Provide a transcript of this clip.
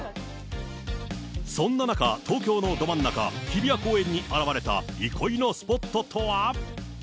そんな中、東京のど真ん中、日比谷公園に現れた憩いのスポットとは。